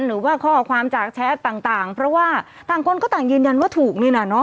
หรือว่าข้อความจากแชทต่างเพราะว่าต่างคนก็ต่างยืนยันว่าถูกนี่แหละเนาะ